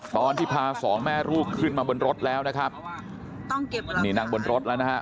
ตอนที่พาสองแม่ลูกขึ้นมาบนรถแล้วนะครับต้องเก็บนี่นั่งบนรถแล้วนะฮะ